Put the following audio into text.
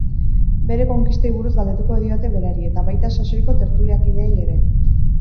Bere konkistei buruz galdetuko diote berari eta baita saioko tertulakideei ere.